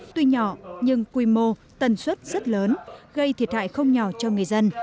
tuy nhỏ nhưng quy mô tần suất rất lớn gây thiệt hại không nhỏ cho người dân